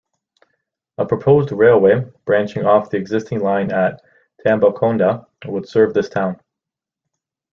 A proposed railway branching off the existing line at Tambacounda would serve this town.